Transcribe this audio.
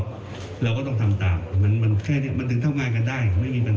เราก็ต้องทำตามมันแค่นี้มันถึงทำงานกันได้ไม่มีปัญหา